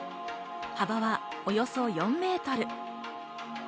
幅はおよそ４メートル。